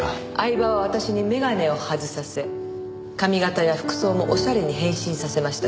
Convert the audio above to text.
饗庭は私に眼鏡を外させ髪形や服装もおしゃれに変身させました。